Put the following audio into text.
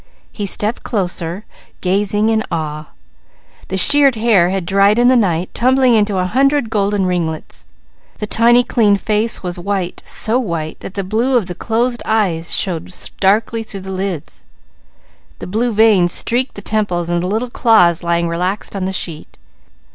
He stepped closer, gazing in awe. The sheared hair had dried in the night, tumbling into a hundred golden ringlets. The tiny clean face was white, so white that the blue of the closed eyes showed darkly through the lids, the blue veins streaked the temples and the little claws lying relaxed on the sheet.